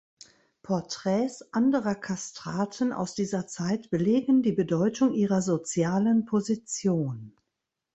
Porträts anderer Kastraten aus dieser Zeit belegen die Bedeutung ihrer sozialen Position.